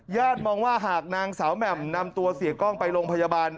มองว่าหากนางสาวแหม่มนำตัวเสียกล้องไปโรงพยาบาล